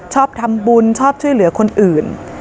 ชอบทำบุญชอบช่วยเหลือคนอื่น